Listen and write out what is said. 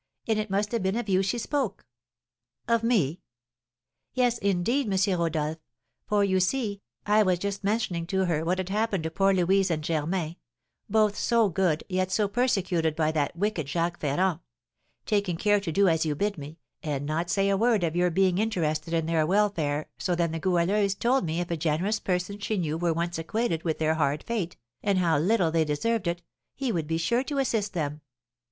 And it must have been of you she spoke." "Of me?" "Yes, indeed, M. Rodolph. For, you see, I was just mentioning to her what had happened to poor Louise and Germain, both so good, yet so persecuted by that wicked Jacques Ferrand, taking care to do as you bid me, and not say a word of your being interested in their welfare so then the Goualeuse told me if a generous person she knew were once acquainted with their hard fate, and how little they deserved it, he would be sure to assist them.